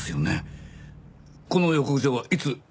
この予告状はいつ？